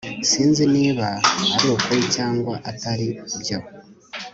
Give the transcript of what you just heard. Sinzi niba arukuri cyangwa atari byo